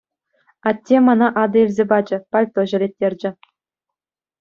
Атте мана атӑ илсе пачӗ, пальто ҫӗлеттерчӗ.